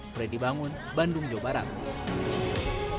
freddy bangun bandung jawa barat